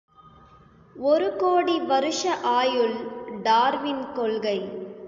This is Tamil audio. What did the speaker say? ஒரு கோடி வருஷ ஆயுள், டார்வின் கொள்கை.